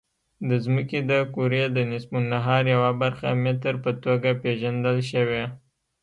د ځمکې د کرې د نصف النهار یوه برخه متر په توګه پېژندل شوې.